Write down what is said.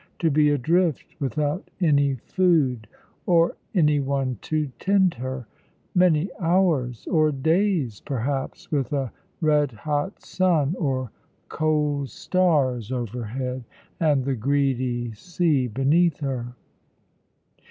To be adrift without any food, or any one to tend her, many hours, or days perhaps, with a red hot sun or cold stars overhead, and the greedy sea beneath her!